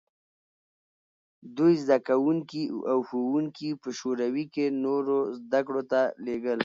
دوی زدکوونکي او ښوونکي په شوروي کې نورو زدکړو ته لېږل.